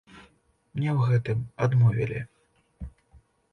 Мне ў гэтым адмовілі.